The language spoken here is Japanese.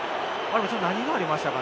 何がありましたか？